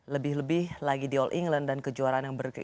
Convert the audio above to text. lebih lebih lagi di all england dan kejuaraan yang berbeda